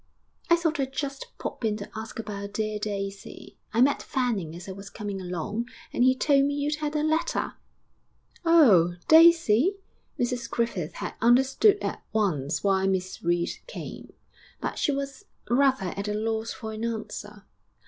'I thought I'd just pop in to ask about dear Daisy. I met Fanning as I was coming along and he told me you'd had a letter.' 'Oh! Daisy?' Mrs Griffith had understood at once why Miss Reed came, but she was rather at a loss for an answer....